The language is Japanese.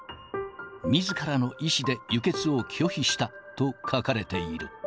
みずからの意思で輸血を拒否したと書かれている。